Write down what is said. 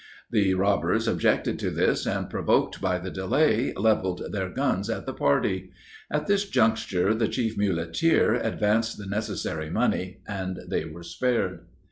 The robbers objected to this, and, provoked by the delay, leveled their guns at the party. At this juncture, the chief muleteer advanced the necessary money, and they were spared.